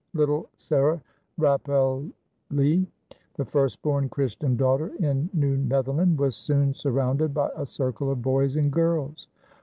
Little Sarah Rapaelje, "the first born Christian daughter in New Netherland," was soon surrounded by a circle of boys and girls.